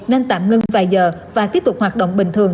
nên tạm ngưng vài giờ và tiếp tục hoạt động bình thường